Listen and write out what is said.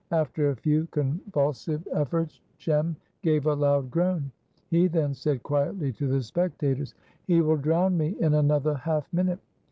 After a few convulsive efforts Jem gave a loud groan. He then said quietly to the spectators, "He will drown me in another half minute."